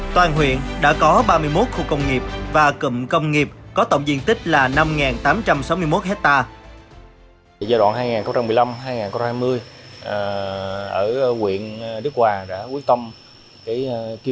toàn huyện đã có ba mươi một khu công nghiệp và cụm công nghiệp có tổng diện tích là năm tám trăm sáu mươi một hectare